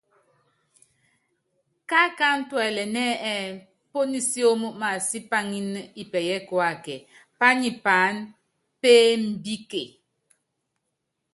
Kaákáánɛ́ tuɛlɛnɛ́ ɛ́ɛ́ pónisiómo maasipaŋínɛ Ipɛyɛ Kuákɛ, pányɛ paáná peEmbíke.